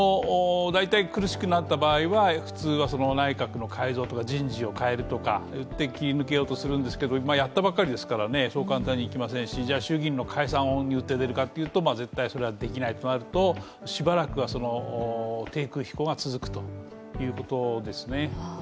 苦しくなった場合は普通は内閣の改造とか人事を変えるとかして切り抜けようとするんですが、やったばかりですので、では衆議院を解散するかというと絶対、それはできないとなるとしばらくは低空飛行が続くということですね。